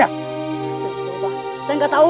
ya tuhan saya enggak tahu